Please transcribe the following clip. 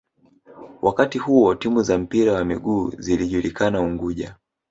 Wakati huo timu za mpira wa miguu zilijulikana Unguja